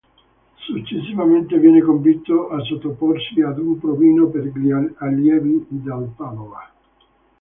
Successivamente viene convinto a sottoporsi ad un provino per gli Allievi del Padova.